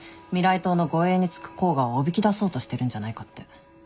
党の護衛に付く甲賀をおびき出そうとしてるんじゃないかって。